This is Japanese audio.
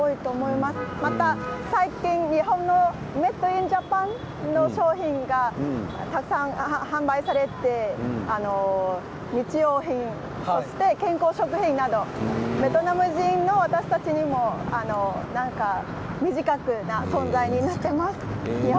また最近メードインジャパンの商品がたくさん販売されて日用品そして健康食品などベトナム人の私たちにも身近な存在になっています。